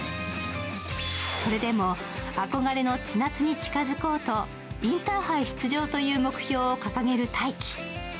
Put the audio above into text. それでも憧れの千夏に近づこうと、インターハイ出場という目標を掲げる大喜。